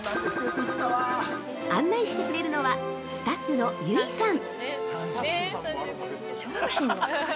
案内してくれるのはスタッフのＹｕｉさん。